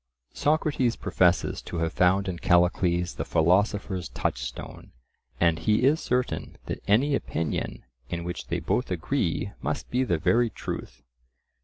Socrates professes to have found in Callicles the philosopher's touchstone; and he is certain that any opinion in which they both agree must be the very truth.